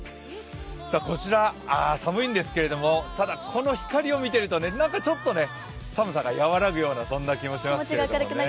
こちら、寒いんですけど、ただこの光を見ているとなんかちょっとね、寒さがやわらぐようなそんな感じがしますね。